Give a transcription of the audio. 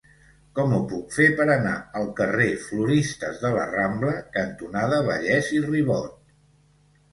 Com ho puc fer per anar al carrer Floristes de la Rambla cantonada Vallès i Ribot?